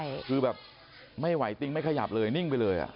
ใช่คือแบบไม่ไหวติ้งไม่ขยับเลยนิ่งไปเลยอ่ะ